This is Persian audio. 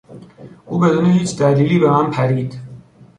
او بدون هیچ دلیلی به من پرید.